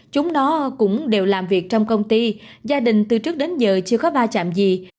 chúng đó cũng đều làm việc trong công ty gia đình từ trước đến giờ chưa có ba trạm gì